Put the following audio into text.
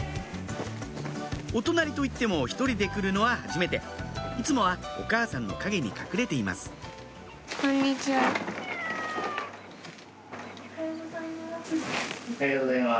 お隣といっても一人で来るのははじめていつもはお母さんの陰に隠れていますおはようございます。